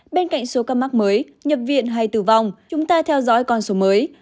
bên cạnh số ca mắc mới nhập viện hay tử vong chúng ta theo dõi con số mới